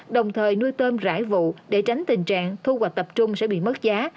đồng thời nuôi tôm rải vụ để tránh tình trạng thu hoạch tập trung sẽ bị mất giá